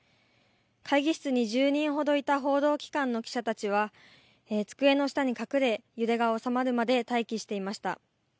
会議室に１０人ほどいた報道機関の記者たちは机の下に隠れ、揺れが収まるまで待機していました。